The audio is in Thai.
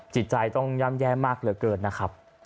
จิตใจต้องย่ำแย่มากเหลือเกินนะครับ